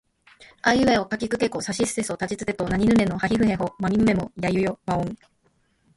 あいうえおかきくけこさしすせそたちつてとなにぬねのはひふへほまみむめもやゆよわをん